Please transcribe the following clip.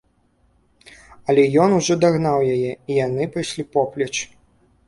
Але ён ужо дагнаў яе, і яны пайшлі поплеч.